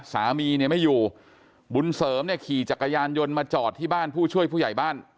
สามีเนี่ยไม่อยู่บุญเสริมเนี่ยขี่จักรยานยนต์มาจอดที่บ้านผู้ช่วยผู้ใหญ่บ้าน